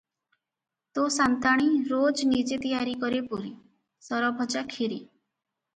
ତୋ’ ସା’ନ୍ତାଣୀ ରୋଜ ନିଜେ ତିଆରି କରେ ପୁରି, ସରଭଜା, କ୍ଷୀରୀ ।